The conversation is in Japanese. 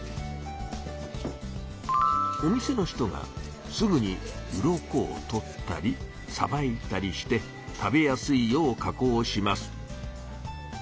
お店の人がすぐにウロコをとったりさばいたりして食べやすいよう加工します。